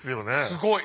すごい！